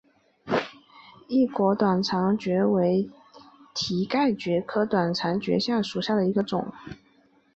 异果短肠蕨为蹄盖蕨科短肠蕨属下的一个种。